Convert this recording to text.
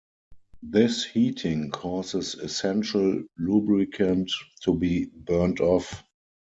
This heating causes essential lubricant to be "burned off".